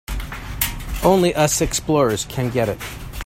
Only us explorers can get it.